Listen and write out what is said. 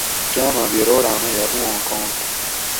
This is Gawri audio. کاماۤ بھی روڑاۤں میہ اواں کاۤنڑ تھو